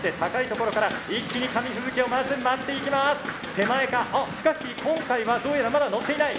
手前かしかし今回はどうやらまだ乗っていない。